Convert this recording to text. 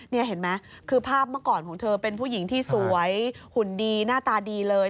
นี่เห็นไหมคือภาพเมื่อก่อนของเธอเป็นผู้หญิงที่สวยหุ่นดีหน้าตาดีเลย